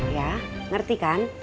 ya ngerti kan